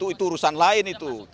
itu urusan lain